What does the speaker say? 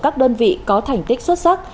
các đơn vị có thành tích xuất sắc